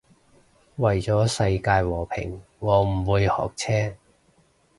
為咗世界和平我唔會學車